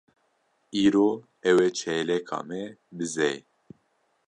Îro ew ê çêleka me bizê.